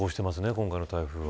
今回の台風は。